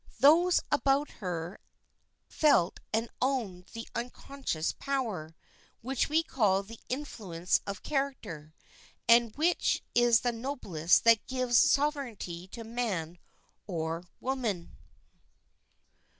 Those about her felt and owned the unconscious power, which we call the influence of character, and which is the noblest that gives sovereignty to man or woman.